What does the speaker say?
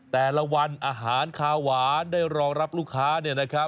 แต่ละวันอาหารคาหวานได้รองรับลูกค้า